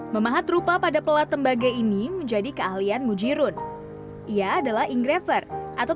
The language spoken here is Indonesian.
memahat rupa pada pelat tembaga ini menjadi keahlian mujirun ia adalah inggrafer atau